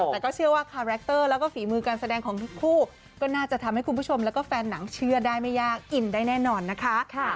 แต่ก็เชื่อว่าคาแรคเตอร์แล้วก็ฝีมือการแสดงของทุกคู่ก็น่าจะทำให้คุณผู้ชมแล้วก็แฟนหนังเชื่อได้ไม่ยากอินได้แน่นอนนะคะ